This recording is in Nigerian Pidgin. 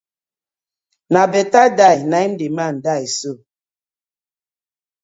Na betta die na im di man die so.